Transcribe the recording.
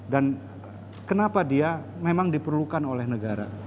dan kenapa dia memang diperlukan oleh negara